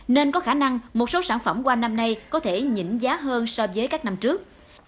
nên có khả năng một số sản phẩm qua năm nay có thể nhỉnh giá hơn so với các năm trước